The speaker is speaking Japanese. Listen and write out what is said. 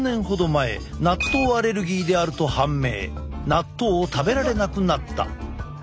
納豆を食べられなくなった。